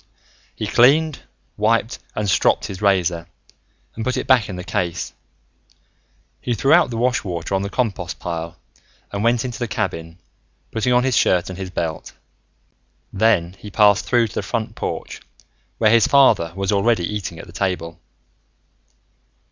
He cleaned, wiped and stropped his razor and put it back in the case. He threw out the wash water on the compost pile and went into the cabin, putting on his shirt and his belt. Then he passed through to the front porch, where his father was already eating at the table.